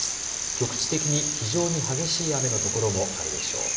局地的に非常に激しい雨のところもあるでしょう。